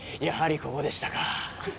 やはりここでしたか。